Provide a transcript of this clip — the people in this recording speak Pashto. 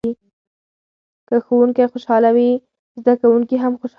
که ښوونکی خوشحاله وي زده کوونکي هم خوشحاله وي.